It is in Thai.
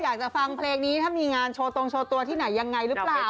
อยากจะฟังเพลงนี้ถ้ามีงานโชว์ตรงโชว์ตัวที่ไหนยังไงหรือเปล่า